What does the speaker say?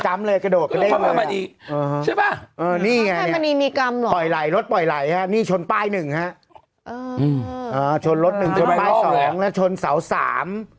จำเลยกระโดดกระเด้งเลยพระอภัยมันนี่มีกรรมหรอนี่ไงรถปล่อยไหล่นี่ชนป้ายหนึ่งชนรถหนึ่งชนป้ายสองแล้วชนเสาสาม